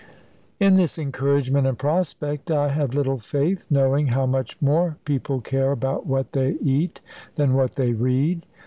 In this encouragement and prospect I have little faith, knowing how much more people care about what they eat than what they read.